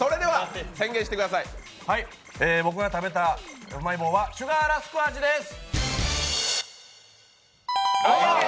僕が食べたうまい棒はシュガーラスク味です。